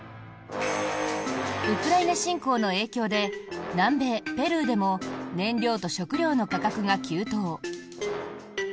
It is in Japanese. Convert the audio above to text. ウクライナ侵攻の影響で南米ペルーでも燃料と食料の価格が急騰。